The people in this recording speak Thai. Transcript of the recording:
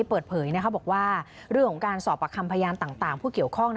เปิดเผยบอกว่าเรื่องของการสอบประคำพยานต่างผู้เกี่ยวข้อง